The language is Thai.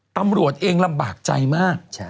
ตำรวจเองลำบากใจมาก